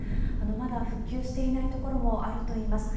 まだ復旧していない所もあるといいます。